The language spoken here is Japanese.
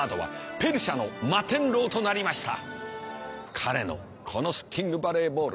彼のこのシッティングバレーボール。